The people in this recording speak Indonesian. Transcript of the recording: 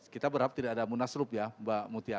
kita berharap tidak ada munaslup ya mbak mutia